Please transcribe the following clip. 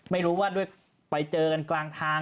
ไม่รู้ว่าด้วยไปเจอกันกลางทาง